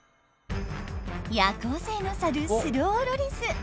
夜行性のサルスローロリス。